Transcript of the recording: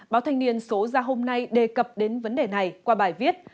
báo thanh niên số ra hôm nay đề cập đến vấn đề này qua bài viết